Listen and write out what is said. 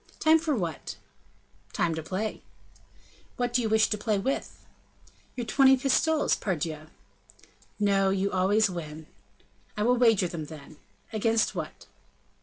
"Time for what?" "Time to play." "What do you wish to play with?" "Your twenty pistoles, pardieu!" "No; you always win." "I will wager them, then." "Against what?"